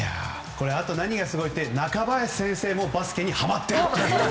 あと何がすごいって中林先生もバスケにはまっていると。